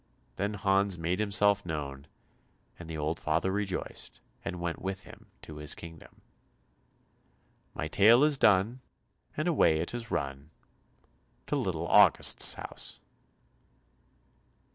Then Hans made himself known, and the old father rejoiced and went with him to his kingdom. My tale is done, And away it has run To little August's house.